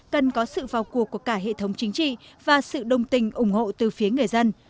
cần có sự vào cuộc của cả hệ thống chính trị và sự đồng tình ủng hộ từ phía người dân